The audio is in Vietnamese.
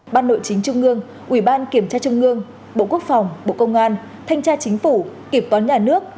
ban nội chính trung ương ủy ban kiểm tra trung ương bộ quốc phòng bộ công an thanh tra chính phủ kiểm toán nhà nước